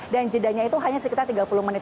dan jedanya itu hanya sekitar tiga puluh menit